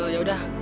eh ya udah